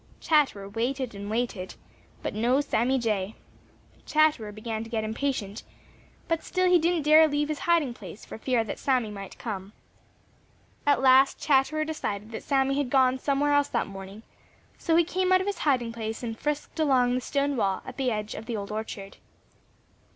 Chatterer waited and waited, but no Sammy Jay. Chatterer began to get impatient, but still he didn't dare leave his hiding place for fear that Sammy might come. At last Chatterer decided that Sammy had gone somewhere else that morning, so he came out of his hiding place and frisked along the stone wall at one edge of the Old Orchard.